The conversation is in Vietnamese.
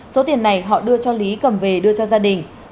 số tiền này họ đưa cho lý cầm về đưa cho gia đình